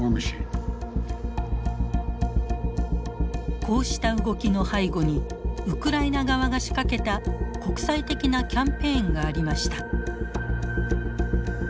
こうした動きの背後にウクライナ側が仕掛けた国際的なキャンペーンがありました。